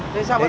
thế sao mà uống